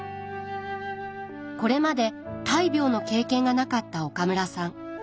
これまで大病の経験がなかった岡村さん。